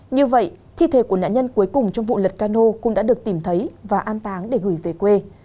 như vậy thi thể của nạn nhân cuối cùng trong vụ lật cano cũng đã được tìm thấy và an táng để gửi về quê